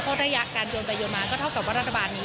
เพราะระยะการโยนไปโยนมาก็เท่ากับว่ารัฐบาลนี้